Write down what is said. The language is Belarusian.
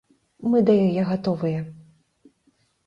Мы да яе гатовыя.